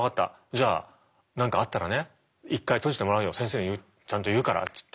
じゃあ何かあったらね一回閉じてもらうよ先生にちゃんと言うから」っていって。